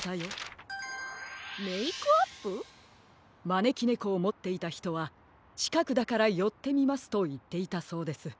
まねきねこをもっていたひとはちかくだからよってみますといっていたそうです。